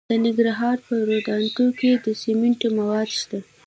د ننګرهار په روداتو کې د سمنټو مواد شته.